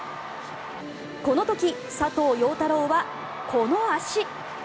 この時、佐藤陽太郎はこの足。